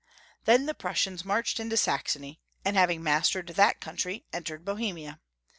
Then the Prussians marched into Saxony, and, having mastered that country, entered Bohemia.